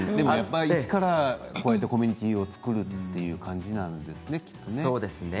一からこうやってコミュニティーを作る感じになるんですねきっと。